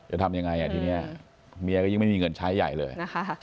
จะทำยังไงทีนี้เมียก็ยิ่งไม่มีเงินใช้ใหญ่เลยนะคะ